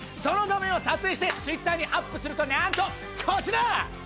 その画面を撮影してＴｗｉｔｔｅｒにアップするとなんとこちら！